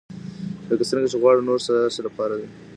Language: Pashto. لکه څنګه چې غواړئ نور ستاسې لپاره وي.